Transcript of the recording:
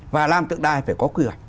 và làm tượng đài phải có quy hoạch